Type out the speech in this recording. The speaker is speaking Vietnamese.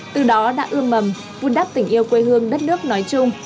từ đó đã ưm mầm vun đắp tình yêu quê hương đất nước nói chung